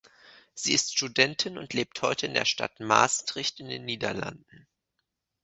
Sie ist Studentin und lebt heute in der Stadt Maastricht in den Niederlanden.